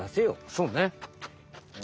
そうね。